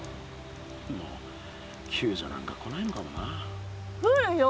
もうきゅうじょなんか来ないのかもな。